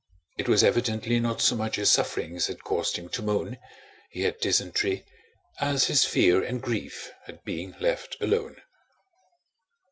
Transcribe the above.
It was evidently not so much his sufferings that caused him to moan (he had dysentery) as his fear and grief at being left alone.